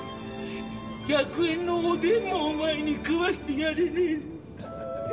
１００円のおでんもお前に食わしてやれねえ。